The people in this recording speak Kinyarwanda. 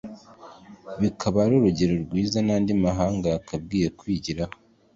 bikaba ari urugero rwiza n’andi mahanga yagakwiye kwigiraho